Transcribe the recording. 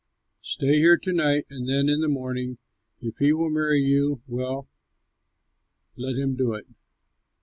Stay here to night, and then in the morning, if he will marry you, well, let him do it.